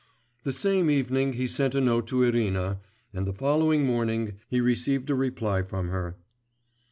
The same evening he sent a note to Irina, and the following morning he received a reply from her.